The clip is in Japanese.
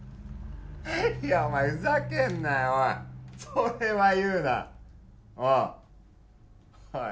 いやお前ふざけんなよおいそれは言うなおおおい